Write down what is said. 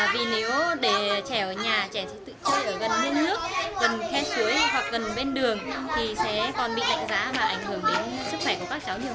vì nếu để trẻ ở nhà trẻ sẽ tự chơi ở gần nguyên nước gần khe sưới hoặc gần bên đường thì sẽ còn bị lạnh giá và ảnh hưởng đến sức khỏe của các cháu